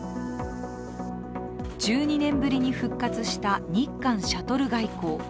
１２年ぶりに復活した日韓シャトル外交。